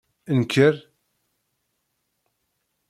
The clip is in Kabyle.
Nker!